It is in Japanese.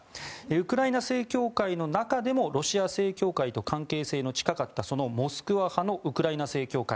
ウクライナ正教会の中でもロシア正教会と関係性の近かったモスクワ派のウクライナ正教会。